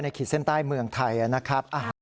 ขีดเส้นใต้เมืองไทยนะครับ